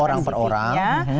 orang per orang